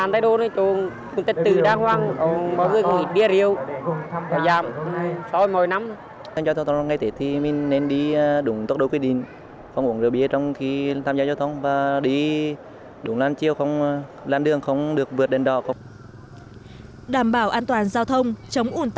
đảm bảo an toàn giao thông chống ổn tắc tại các giao thông